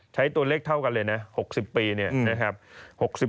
ใช้ตัวเลขเท่ากันเลยนะ๖๐ปี